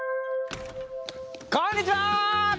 こんにちは！